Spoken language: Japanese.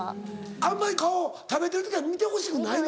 あんまり顔食べてる時は見てほしくないの。